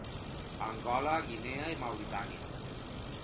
Angola, Guinea i Mauritània.